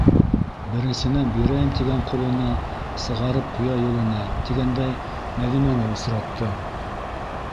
Беренсенән, бирәйем тигән ҡолона сығарып ҡуя юлына, тигәндәй, Мәҙинәне осратты.